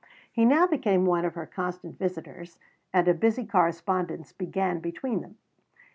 He now became one of her constant visitors, and a busy correspondence began between them.